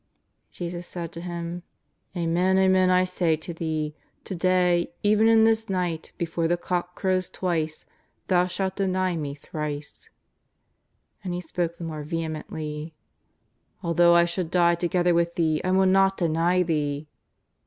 Jesus said to him: ^^Amen, amen, I say to thee, to day, even in this night, before the cock crow twice, thou shalt deny Me thrice." But he spoke the more vehemently: ^'Although I should die together with Thee, I w^ll not deny Thee.''